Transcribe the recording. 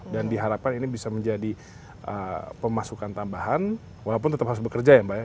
dan diharapkan ini bisa menjadi pemasukan tambahan walaupun tetap harus bekerja ya mbak ya